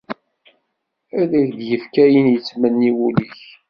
Ad ak-d-ifk ayen yettmenni wul-ik.